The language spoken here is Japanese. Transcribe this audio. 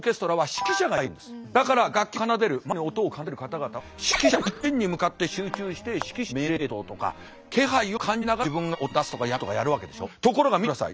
だから楽器を奏でるまさに音を奏でる方々は指揮者一点に向かって集中して指揮者の命令系統とか気配を感じながら自分が音を出すとかやめるとかやるわけでしょ。